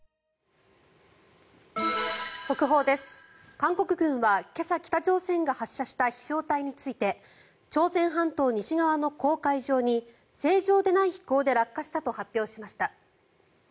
韓国軍は今朝北朝鮮が発射した飛翔体について朝鮮半島西側の黄海上に正常でない飛行で落下したと発表しました。